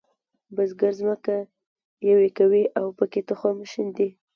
بزګر ځمکه یوي کوي او پکې تخم شیندي.